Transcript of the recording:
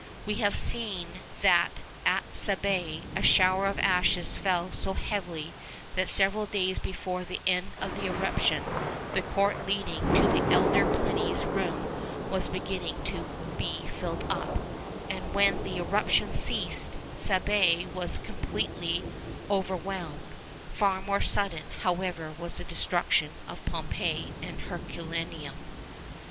We have seen that at Stabiæ a shower of ashes fell so heavily that several days before the end of the eruption the court leading to the elder Pliny's room was beginning to be filled up; and when the eruption ceased, Stabiæ was completely overwhelmed. Far more sudden, however, was the destruction of Pompeii and Herculaneum.